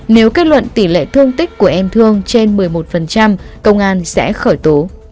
nếu kết luận tỷ lệ thương tích của em thương trên một mươi một công an sẽ khởi tố